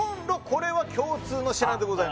これは共通の品でございます